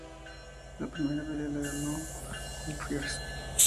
La primera pelea la ganó Humphries.